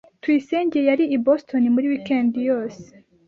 Tuyisenge yari i Boston muri weekend yose.